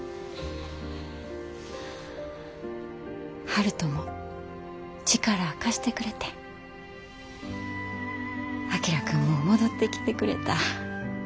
悠人も力貸してくれて章君も戻ってきてくれた。